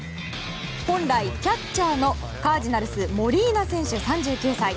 本来キャッチャーのカージナルスモリーナ選手、３９歳。